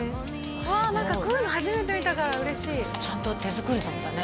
こういうの初めて見たから嬉しいちゃんと手作りなんだね・